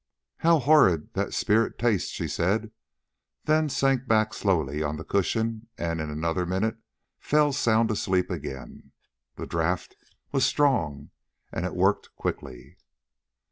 "How horrid that spirit tastes!" she said, then sank back slowly on the cushion and in another minute fell sound asleep again. The draught was strong and it worked quickly.